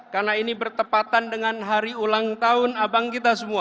karena ini bertepatan dengan hari ulang tahun abang kita semua